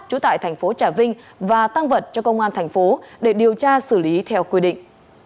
trú tại thành phố trà vinh và tăng vật cho công an thành phố để điều tra xử lý theo quy định